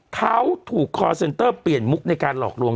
เขาถูกคอร์เซ็นเตอร์เปลี่ยนมุกในการหลอกลวง